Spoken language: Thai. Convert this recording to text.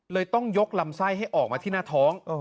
ต้องยกลำไส้ให้ออกมาที่หน้าท้อง